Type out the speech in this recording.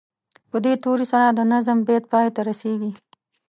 په دې توري سره د نظم بیت پای ته رسیږي.